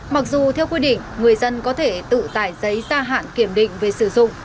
mặc dù theo quy định người dân có thể tự tải giấy ra hạn kiểm định về sử dụng